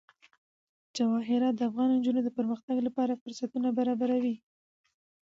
جواهرات د افغان نجونو د پرمختګ لپاره فرصتونه برابروي.